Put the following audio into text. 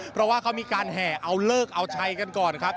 เพราะว่าเขามีการแห่เอาเลิกเอาชัยกันก่อนครับ